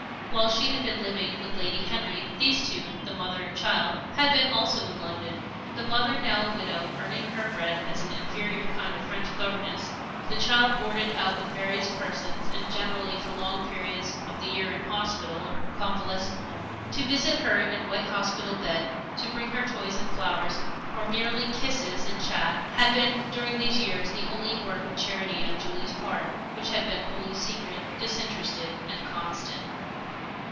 While she had been living with Lady Henry, these two, the mother and child, had been also in London; the mother, now a widow, earning her bread as an inferior kind of French governess, the child boarded out with various persons, and generally for long periods of the year in hospital or convalescent home. To visit her in her white hospital bed to bring her toys and flowers, or merely kisses and chat had been, during these years, the only work of charity on Julie's part which had been wholly secret, disinterested, and constant.